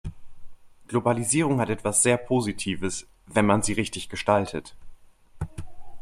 Globalisierung hat etwas sehr Positives, wenn man sie richtig gestaltet.